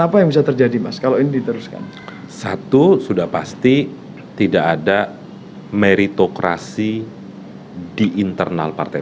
apa yang bisa terjadi mas kalau ini diteruskan satu sudah pasti tidak ada meritokrasi di internal partai